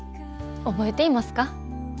覚えていますか？